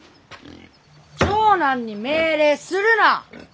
長男に命令するな！